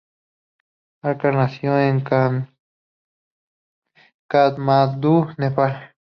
Acharya nació en Katmandú, Nepal.